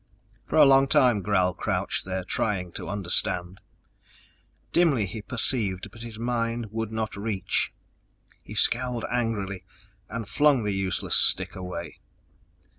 For a long time Gral crouched there, trying to understand. Dimly he perceived, but his mind would not reach. He scowled angrily and flung the useless stick away.